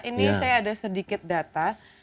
ini saya ada sedikit data